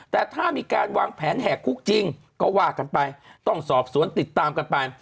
แต่ถ้ามีการวางแผนแหกคุกจริงก็ว่ากันไปต้องสอบสวนติดตามกันไป